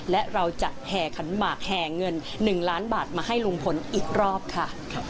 และเราจะแห่ขันหมากแห่เงิน๑ล้านบาทมาให้ลุงพลอีกรอบค่ะ